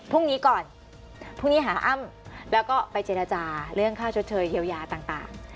พรุ่งนี้ก่อนพรุ่งนี้หาอ้ำแล้วก็ไปเจรจาเรื่องค่าชดเชยเยียวยาต่าง